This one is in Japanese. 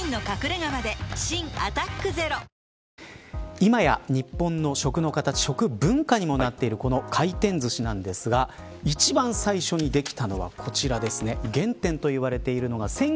今や日本の食の形食文化にもなっているこの回転ずしなんですが１番最初にできたのはこちらです。